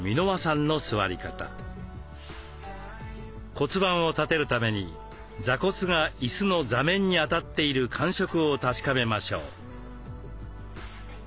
骨盤を立てるために座骨が椅子の座面に当たっている感触を確かめましょう。